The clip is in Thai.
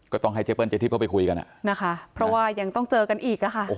ก็ต้องให้เจเปิ้เข้าไปคุยกันอ่ะนะคะเพราะว่ายังต้องเจอกันอีกอะค่ะ